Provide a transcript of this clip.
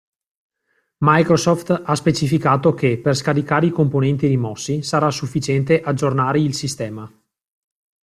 Microsoft ha specificato che, per scaricare i componenti rimossi, sarà sufficiente aggiornare il sistema.